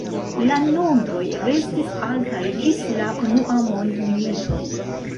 La nombroj restis altaj ĝis la Unua mondmilito.